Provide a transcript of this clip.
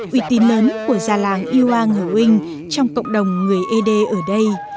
uy tín lớn của già làng yhoang hờ huynh trong cộng đồng người ede ở đây